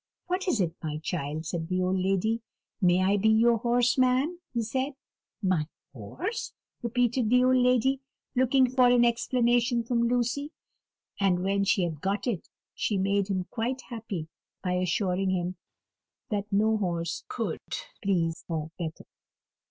"What is it, my child?" said the old lady. "May I be your horse, ma'am?" he said. "My horse?" repeated the old lady, looking for an explanation from Lucy; and when she had got it, she made him quite happy by assuring him that no horse could please her better.